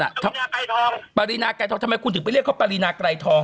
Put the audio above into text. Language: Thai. ปารีนาไกรทองปารีนาไกรทองทำไมคุณถึงไปเรียกเขาปารีนาไกรทอง